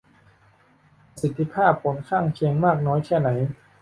ประสิทธิภาพผลข้างเคียงมากน้อยแค่ไหน